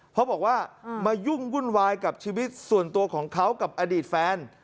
เพราะบอกว่ามายุ่งวุ่นวายกับชีวิตส่วนตัวของเขากับอดีตแฟน